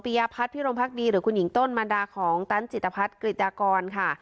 ปริยาพัฒน์พิโรมภักดีหรือคุณหญิงต้นมารดาของตั้นจิตภัฒน์กฤตากรค่ะ